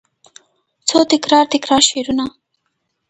څو تکرار، تکرار شعرونه